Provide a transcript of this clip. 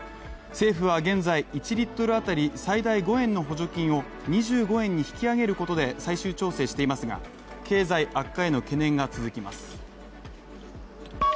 政府は現在１リットル当たり最大５円の補助金を２５円に引き上げることで最終調整していますが経済悪化への懸念が続きます。